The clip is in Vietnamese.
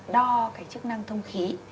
đo cái chức năng thông khí